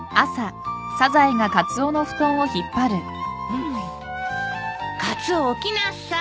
うんカツオ起きなさい。